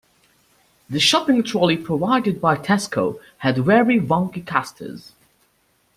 The shopping trolley provided by Tesco had very wonky casters